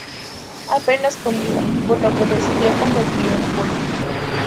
Apenas con vida, por lo que decidió convertirlo en pulg.